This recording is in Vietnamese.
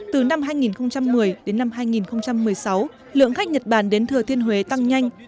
từ năm hai nghìn một mươi đến năm hai nghìn một mươi sáu lượng khách nhật bản đến thừa thiên huế tăng nhanh